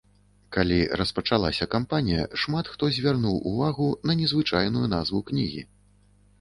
Калі распачалася кампанія, шмат хто звярнуў увагу на незвычайную назву кнігі.